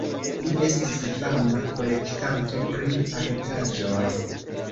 Li estis fama kolektanto pri artaĵoj.